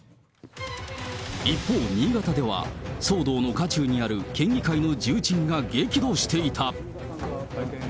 一方、新潟では騒動の渦中にある県議会の重鎮が激怒していた。